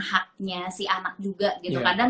haknya si anak juga gitu kadang